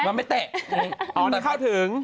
มันไม่เตะมันไม่เตะ